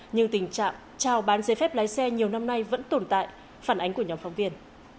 nhưng tình trạng trao bán giấy phép lái xe nhiều năm nay vẫn tồn tại phản ánh của nhóm phóng viên